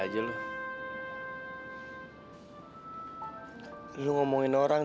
butuh republicans supaya kita m alaida bener bener